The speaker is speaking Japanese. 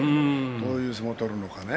どういう相撲でくるのかね。